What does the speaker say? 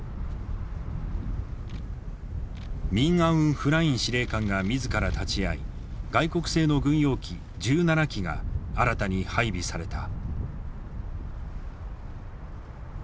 ミン・アウン・フライン司令官が自ら立ち会い外国製の軍用機１７機が新たに配備された。